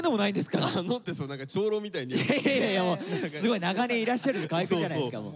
いやいやすごい長年いらっしゃる河合くんじゃないですかもう。